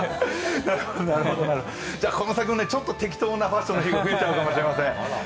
この先も、適当なファッションが増えちゃうかもしれません。